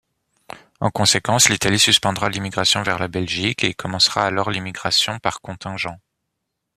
En conséquence, l'Italie suspendra l'immigration vers la Belgique et commencera alors l'immigration par contingents.